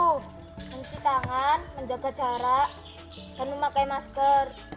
mencuci tangan menjaga jarak dan memakai masker